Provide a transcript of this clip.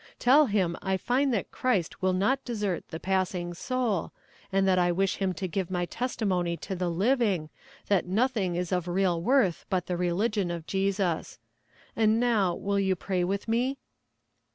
Tell him I find that Christ will not desert the passing soul, and that I wish him to give my testimony to the living, that nothing is of real worth but the religion of Jesus; and now, will you pray with me?'